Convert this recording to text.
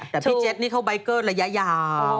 แต่พี่เจ็ตนี่เขาใบเกอร์ระยะยาว